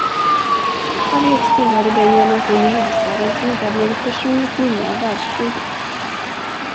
Harriet tillhörde den generation i huvudstaden som inte hade något personligt minne av världskriget.